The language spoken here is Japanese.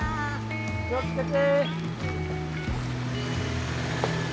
気を付けて！